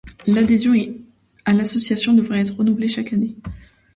L’adhésion à l’association devait être renouvelée chaque année.